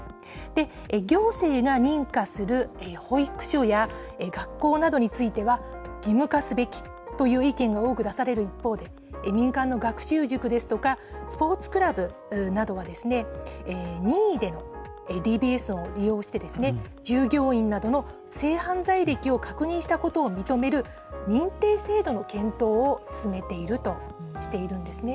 行政が認可する保育所や学校などについては、義務化すべきという意見が多く出される一方で、民間の学習塾ですとか、スポーツクラブなどは、任意でのＤＢＳを利用して、従業員などの性犯罪歴を確認したことを認める、認定制度の検討を進めているとしているんですね。